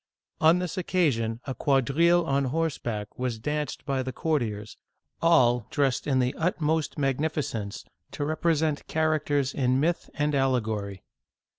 On this occasion, a quadrille on horseback was danced by the courtiers, all dressed with the utmost magnificence to rep resent characters in myth and allegory.